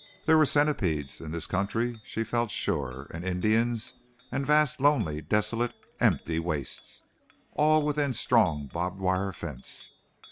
There were centipedes in this country, she felt sure; and Indians, and vast, lonely, desolate, empty wastes; all within strong barbed wire fence.